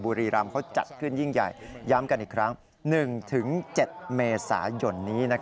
บุรีรำเขาจัดขึ้นยิ่งใหญ่ย้ำกันอีกครั้ง๑๗เมษายนนี้